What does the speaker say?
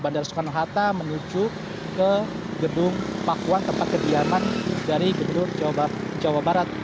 bandara soekarno hatta menuju ke gedung pakuan tempat kediaman dari gubernur jawa barat